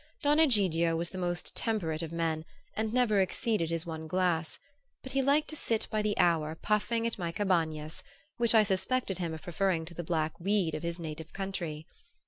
Don Egidio was the most temperate of men and never exceeded his one glass; but he liked to sit by the hour puffing at my Cabañas, which I suspected him of preferring to the black weed of his native country.